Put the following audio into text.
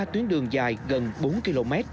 ba tuyến đường dài gần bốn km